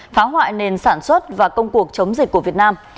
phá hoại nền sản xuất và công cuộc chống dịch của việt nam